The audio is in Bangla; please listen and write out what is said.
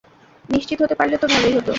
নিশ্চিত হতে পারলে তো ভালোই হত।